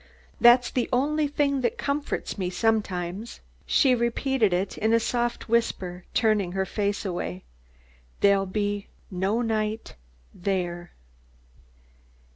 That's the only thing that comforts me sometimes." She repeated it in a soft whisper, turning her face away: "There'll be no night there!"